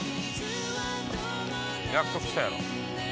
約束したやろ。